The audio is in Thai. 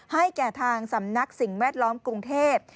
ให้แก่ทางสำนักสิ่งแวดล้อมกรุงเทพ